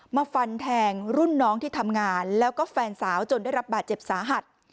มาฟันแทงรุ่นน้องที่ทำงานแล้วก็แฟนสาวจนได้รับบาดเจ็บสาหัส